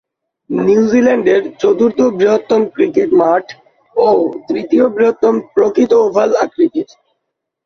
নিউজিল্যান্ডের চতুর্থ বৃহত্তম ক্রিকেট মাঠ ও তৃতীয় বৃহত্তম প্রকৃত ওভাল আকৃতির।